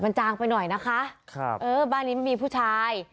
มันจางไปหน่อยนะคะครับเออบ้านนี้ไม่มีผู้ชาย